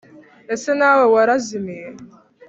ese nawe warazimiye .